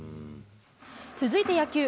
続いて野球。